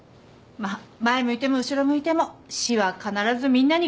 まあ前向いても後ろ向いても死は必ずみんなに来るけどね。